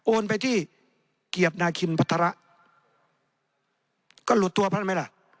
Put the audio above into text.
โอนไปที่เกียรตินาคิณพัทระก็หลุดตัวท่านไหมล่ะ